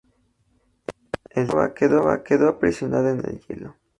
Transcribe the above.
El "Terra Nova" quedó aprisionado en el hielo.